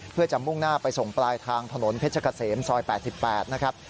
เพื่อจะมุ่งหน้าไปส่งปลายทางถนนเพชรเกษมซอย๘๘นะครับ